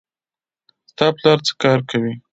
ستا پلار څه کار کوي